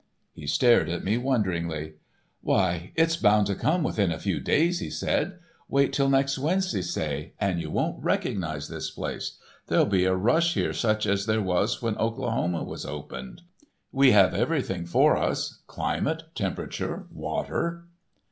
He stared at me wonderingly. "Why, it's bound to come within a few days," he said. "Wait till next Wednesday, say, and you won't recognise this place. There'll be a rush here such as there was when Oklahoma was opened. We have everything for us—climate, temperature, water.